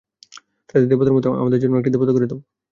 তাদের দেবতার মত আমাদের জন্যেও একটি দেবতা গড়ে দাও।